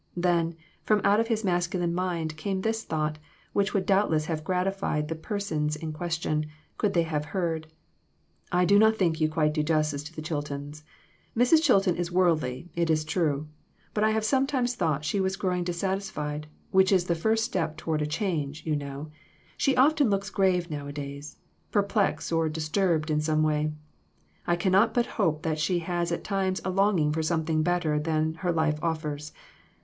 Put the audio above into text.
Then, from out of his masculine mind came this thought, which would doubtless have gratified the persons in question, could they have heard "I do not think you quite do justice to the Chiltons. Mrs. Chilton is worldly, it is true; but I have sometimes thought she was growing dissatisfied, which is the first step toward a change, you know ; she often looks grave nowadays, perplexed or disturbed in some way. I cannot but hope that she has at times a longing for something better than her life offers.